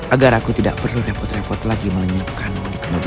agar aku tidak perlu repot repot lagi melenyapkanmu di kelebihan hari